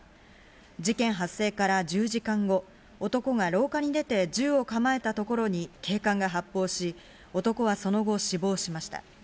事件発生から１０時間後、男が廊下に出て銃を構えたところに警官が発砲し、男はその後、死亡しました。